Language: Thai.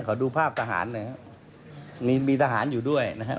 ขอดูภาพทหารนะฮะมีมีทหารอยู่ด้วยนะฮะ